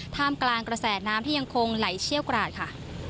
ท่ามกลางกระแสน้ำที่ยังคงไหลเชี่ยวกราดค่ะ